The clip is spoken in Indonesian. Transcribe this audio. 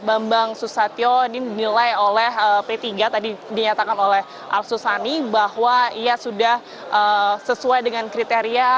arsus satyo ini dinilai oleh p tiga tadi dinyatakan oleh arsusani bahwa ia sudah sesuai dengan kriteria